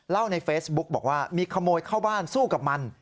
ในเฟซบุ๊กบอกว่ามีขโมยเข้าบ้านสู้กับมัน